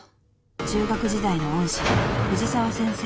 ［中学時代の恩師藤沢先生］